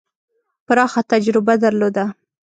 پراخه تجربه درلوده.